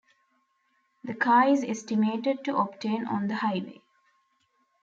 The car is estimated to obtain on the highway.